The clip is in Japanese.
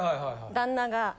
旦那が。